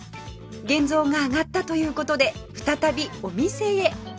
現像があがったという事で再びお店へ